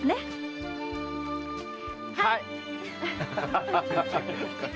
はい！